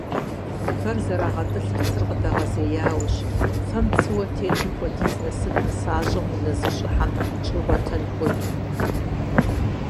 Фэр зэрагъэтӀылъыр цыр къыдэгъэзеяуэщ: фэм цыуэ тетым хуэдиз насып нысащӀэм унэ зыщӀыхьэм щӀигъуэтэн хуэдэу.